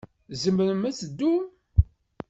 Tzemrem ad teddum?